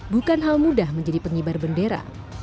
bukan hal mudah menjadi pengibar bendera